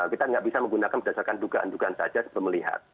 kita tidak bisa menggunakan berdasarkan dugaan dugaan saja sebelum melihat